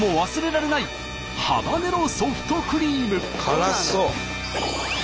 辛そう！